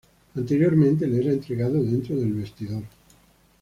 Anteriormente, le era entregado dentro del vestidor.